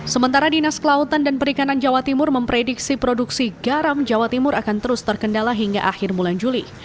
sementara dinas kelautan dan perikanan jawa timur memprediksi produksi garam jawa timur akan terus terkendala hingga akhir bulan juli